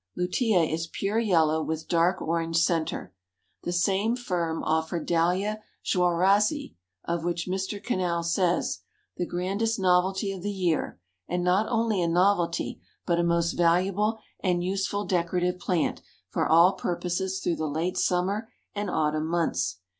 Lutea is pure yellow, with dark orange center. The same firm offer Dahlia Juarezii, of which Mr. Cannell says: "The grandest novelty of the year, and not only a novelty, but a most valuable and useful decorative plant for all purposes through the late summer and autumn months.